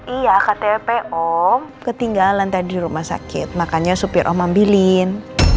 iya ktp om ketinggalan tadi rumah sakit makanya supir om bilin